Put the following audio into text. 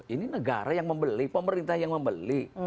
ini negara yang membeli pemerintah yang membeli